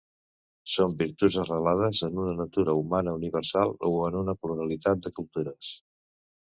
Són virtuts arrelades en una natura humana universal o en una pluralitat de cultures?